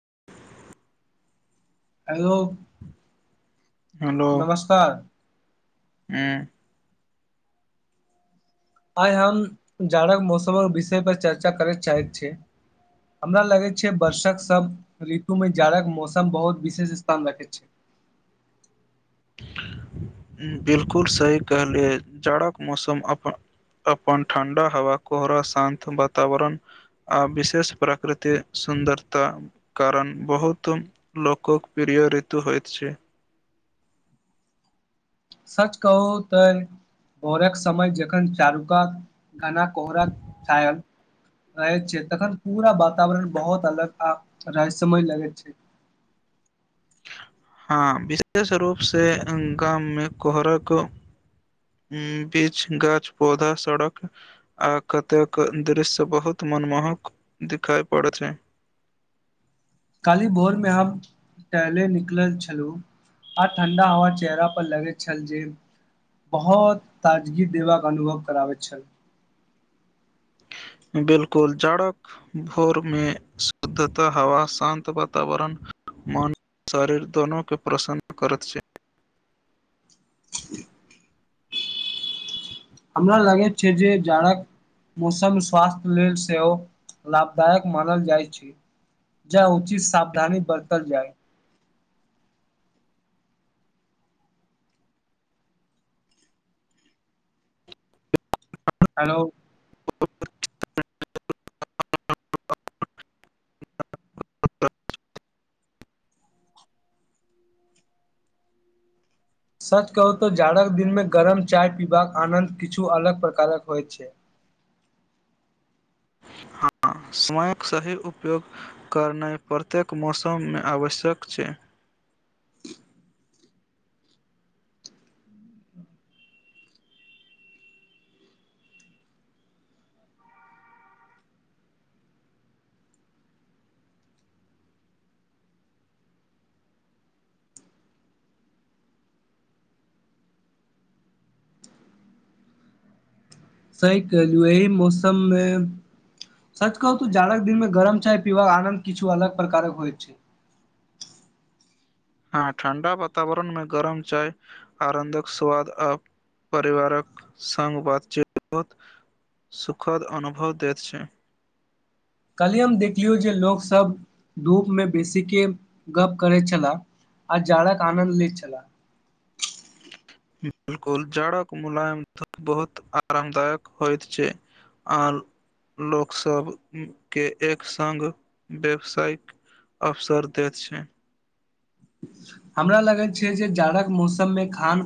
[unintelligible] Hello. नमस्कार। ऐऽ। आइ हम जाड़क मौसमक विषय पर चर्चा करय चाहैत छि, हमरा लगैत छै वर्षक सब ऋतुमे जाड़क मौसम बहुत विशेष स्थान रखैत छै। बिलकुल सही कहलियै, जाड़क मौसम अपन ठण्डा हवा कोहरा शान्त वातावरण आ विशेष प्राकृतिक सुन्दरताक कारण बहुत लोकक प्रिय ऋतु होइत छै। सच कहू तऽ भोरक समय जखन चारुकात घना कोहरा छायल रहै छै, तखन पूरा वातावरण बहुत अलग आ रहस्यमय लगैत छै। हँ विशेष रूपसे, गाममे कोहरक बीच गाछ पौधा सड़क आ कतेक दृश्य बहुत मनमोहक दखाइ पड़ैत छै। काल्हि भोर मे हम टहले निकलल छलहुँ आ ठंडा हवा चेहरा पर लगैत छल जे, बहुत ताजगी देबाक अनुभव कराबैत छल। बिलकुल जाड़क भोरम में शुद्धता हवा शान्त वातावरण मन शरीर दोनो के प्रसन्न करैत छै। ह हमरा लगैत छै जे जाड़क मौसम स्वास्थ लेल सेहो लाभदायक मानल जाइ छै, ज उचित सावधानी बरतल जाय। हेलो। ओ सच कहू तऽ जाड़क दिनमें गरम चाय पीबाक आनन्द किछु अलग प्रकारक होइत छै। ह समयक सही उपयोग करनाइ प्रत्येक मौसम में आवश्यक छै। सही कहल एहि मौसम में, सच कहू त जाड़क दिन में गरम चाय पीबाक आनन्द किछु अलग प्रकारक होइ छै। हँ ठण्डा वातावरण में गरम चाय आनन्दक स्वाद आ परिवारक सङ्ग बातचीत बहुत सुखद अनुभव दैत छै। कल्हि हम देखलियौ जे लोकसभ धूपमे बेसीके गप्प करैत छलाह आ जाड़क आनन्द लैत छलाह। बिल्कुल, जाड़क मुलायम बहुत आरामदायक होइत छै आ लोकसभकेँ एक सङ्ग व्यवसायिक अवसर दैत छै। हमरा लगैत छै जे जाड़क मौसममे खान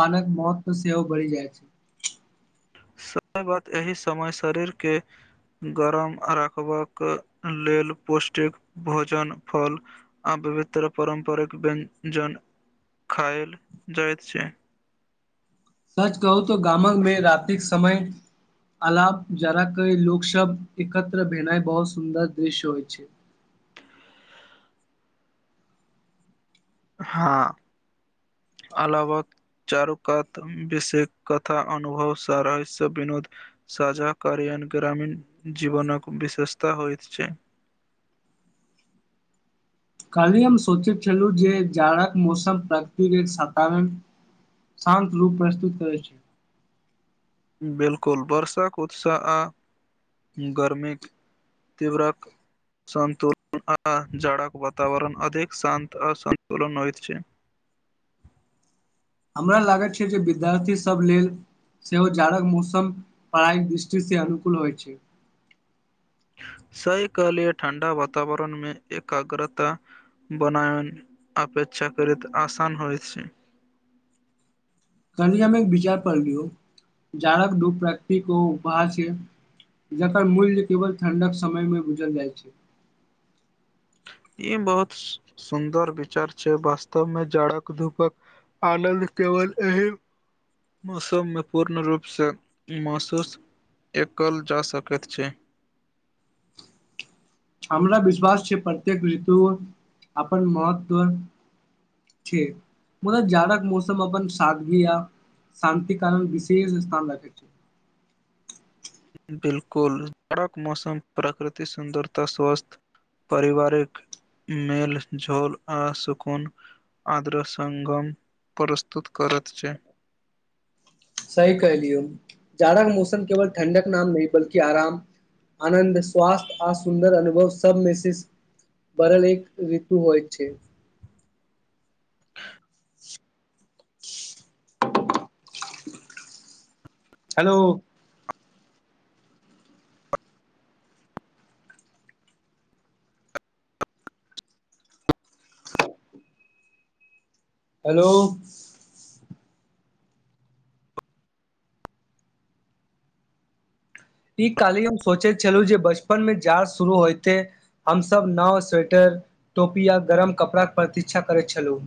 पानक महत्व सेहो बढ़ि जाइत छै। सही बात, एहि समय शरीरके गरम रखबाक लेल पौष्टिक भोजन फल आ विविधतर पारम्परिक व्यञ्जन खायल जाइत छै। सच कहू त गामक में रतिक समय अलाप जरा के लोक शब्द एकत्र भेनाइ बहुत सुन्दर दृश्य होइ छै। हँ अलावत चारुकात विषेष कथा अनुभव स रहस्य विनोद साझा कारियन ग्रामीण जीवनकक विशेषता होइ छै। कालियम सोचित छलू जे जाड़क मौसम प्राकृतिक एक साधारण शांत रूप प्रस्तुत करै छै। बिल्कुल, बर्षाक उत्साह आ गरमी तीव्रक सतुलन आ जाड़क वातावरण अधिक शान्त असन्तुलन होइतत छै। हमरा लागैत छै जे विद्यार्थीसभ लेल सेहो जाड़क मौसम पढ़ाईक दृष्टिसँ अनुकूल होइत छै। सही कहलीय ठण्डा वातावरण में एकाग्रता बनाबयमे अपेक्षाकृत आसान होइत छै। कमे एक विचार करलियौ जाड़क घूप प्रकृति उपहार छै जकर मूल्य केवल ठण्डक समय में बुझल जाइ छै। ई बहुत सुन्दर विचार छै, वास्तव में जाड़क धूपक आनन्द केवल एहि मौसममे पूर्ण रूपसँ महसूस एकल जा सकैत छै। हमरा विश्वास छै प्रत्येक ऋतु अपन महत्व छै मुदा जाड़क मौसम अपन सादगी य शान्तिक कारण विशेष स्थान रखै छै। बिल्कुल जाड़क मौसम प्रकृतिक सुन्दरता स्वस्थ पारिवारिक मेेल-झोल आ सुकून आर्द्र संगम प्रस्तुत करैत छै। सही कहऽ लियौ, जाड़क मौसम केवल ठण्डक नाम नहि बल्कि आराम आनन्द स्वास्थ्य आ सुन्दर अनुभव सबमें से बरल एक ऋतु होइ छै। [unintelligible] हेलो। हेलो। ई कहलि हम सोचैत छलहुँ जे बचपन में जाड़ शुरू होइते हमसभ नाव, स्वेटर, टोपी या गरम कपड़ाक प्रतीक्षा करैत छलहुँ।